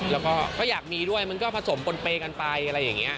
แล้วก็อยากมีด้วยมันก็ผสมปนเปย์กันไปอะไรอย่างนี้